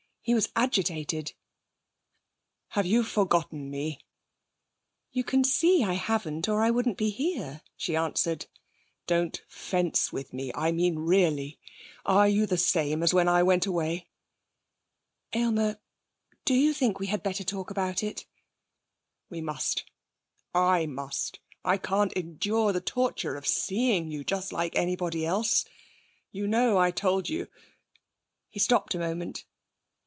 He was agitated. 'Have you forgotten me?' 'You can see I haven't, or I wouldn't be here,' she answered. 'Don't fence with me. I mean, really. Are you the same as when I went away?' 'Aylmer, do you think we had better talk about it?' 'We must. I must. I can't endure the torture of seeing you just like anybody else. You know I told you ' He stopped a moment.